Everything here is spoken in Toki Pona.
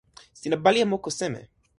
sina pali e moku seme?